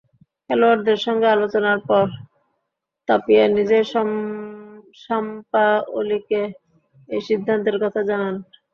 খেলোয়াড়দের সঙ্গে আলোচনার পর তাপিয়া নিজেই সাম্পাওলিকে এই সিদ্ধান্তের কথা জানান।